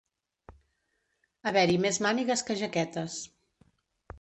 Haver-hi més mànigues que jaquetes.